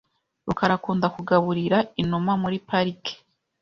rukara akunda kugaburira inuma muri parike .